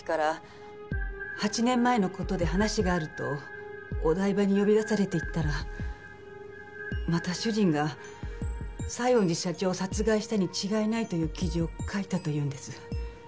８年前の事で話があるとお台場に呼び出されて行ったらまた主人が西園寺社長を殺害したに違いないという記事を書いたと言うんです。